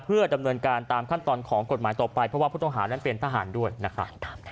เพื่อดำเนินการตามขั้นตอนของกฎหมายต่อไปเพราะว่าผู้ต้องหานั้นเป็นทหารด้วยนะครับ